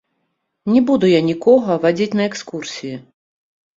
Не буду я нікога вадзіць на экскурсіі.